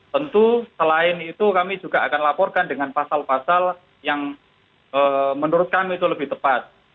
tentu selain itu kami juga akan laporkan dengan pasal pasal yang menurut kami itu lebih tepat